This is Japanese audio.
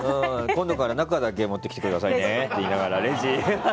今度から中だけ持ってきてくださいねってレジで言われて。